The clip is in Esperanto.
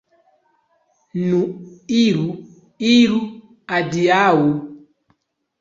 Nu iru, iru, adiaŭ!